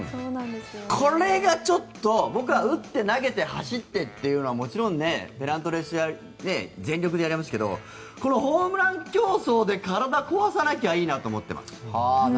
これがちょっと僕は打って、投げて、走ってというのはもちろん、ペナントレースでは全力でやりますけどこのホームラン競争で体を壊さなきゃいいなと思ってます。